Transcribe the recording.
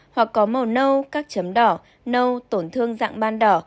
hoặc có màu nâu các chấm đỏ nâu tổn thương dạng ban đỏ